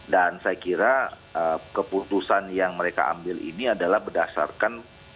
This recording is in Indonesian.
dan saya kira keputusan yang mereka ambil ini adalah berdasarkan